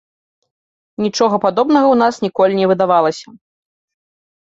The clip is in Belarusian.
Нічога падобнага ў нас ніколі не выдавалася.